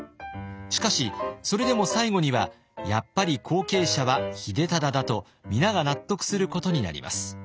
しかしそれでも最後にはやっぱり後継者は秀忠だと皆が納得することになります。